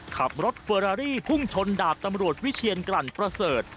ขับรถเฟอรารี่พุ่งชนดาบตำรวจวิเชียนกลั่นประเสริฐ